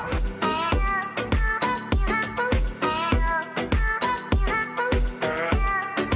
pasar buah brastagi